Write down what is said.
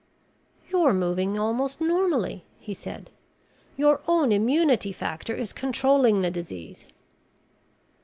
"You're moving almost normally," he said. "Your own immunity factor is controlling the disease."